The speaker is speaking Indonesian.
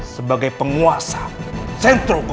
sebelum ada di proyek